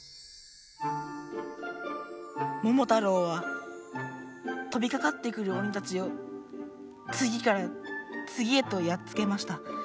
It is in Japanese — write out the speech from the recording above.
「ももたろうはとびかかってくる鬼たちをつぎからつぎへとやっつけました。